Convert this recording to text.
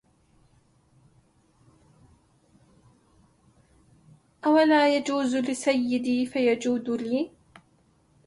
أولا يجوز لسيدي فيجود لي